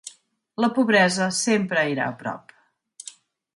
La pobresa sempre era a prop.